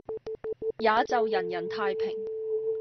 也就人人太平。